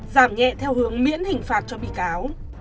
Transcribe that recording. giảm nhẹ theo hướng miễn hình phạt cho bị cáo